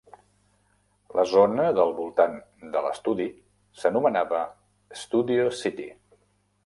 La zona del voltant de l'estudi s'anomenava Studio City.